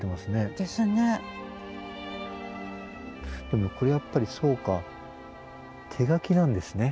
でもこれやっぱりそうか手書きなんですね。